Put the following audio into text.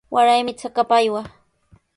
Waraymi trakapa aywaa.